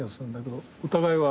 お互いは？